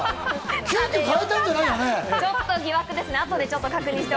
急きょ変えたんじゃないよね？